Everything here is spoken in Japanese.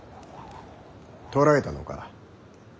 捕らえたのか。